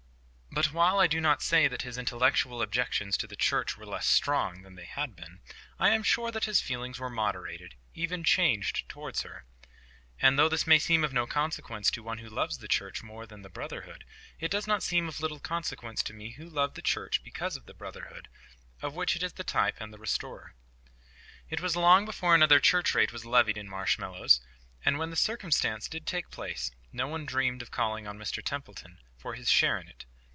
But while I do not say that his intellectual objections to the Church were less strong than they had been, I am sure that his feelings were moderated, even changed towards her. And though this may seem of no consequence to one who loves the Church more than the brotherhood, it does not seem of little consequence to me who love the Church because of the brotherhood of which it is the type and the restorer. It was long before another church rate was levied in Marshmallows. And when the circumstance did take place, no one dreamed of calling on Mr Templeton for his share in it.